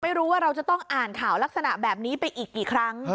ไม่รู้ว่าเราจะต้องอ่านข่าวลักษณะแบบนี้ไปอีกกี่ครั้ง